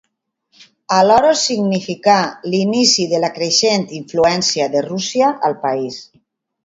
Alhora significà l'inici de la creixent influència de Rússia al país.